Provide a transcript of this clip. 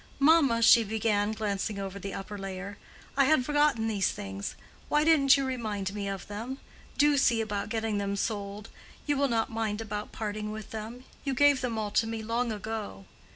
"Mamma," she began, glancing over the upper layer, "I had forgotten these things. Why didn't you remind me of them? Do see about getting them sold. You will not mind about parting with them. You gave them all to me long ago."